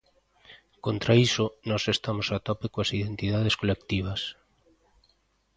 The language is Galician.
Contra iso, nós estamos a tope coas identidades colectivas.